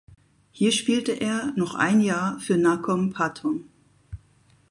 Hier spielte er noch ein Jahr für Nakhon Pathom.